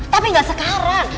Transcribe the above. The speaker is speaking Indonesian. tapi gak sekarang